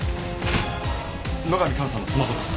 野上加奈さんのスマホです。